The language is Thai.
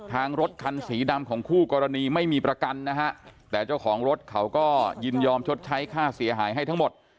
รถคันสีดำของคู่กรณีไม่มีประกันนะฮะแต่เจ้าของรถเขาก็ยินยอมชดใช้ค่าเสียหายให้ทั้งหมด